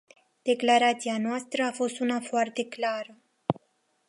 Declarația noastră a fost una foarte clară.